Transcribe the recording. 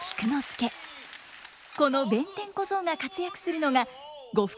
この弁天小僧が活躍するのが呉服